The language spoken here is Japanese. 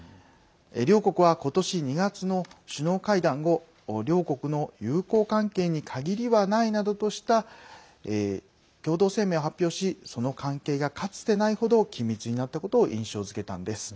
両国は、ことし２月の首脳会談後両国の友好関係に限りはないなどとした共同声明を発表しその関係がかつてないほど緊密になったことを印象づけたんです。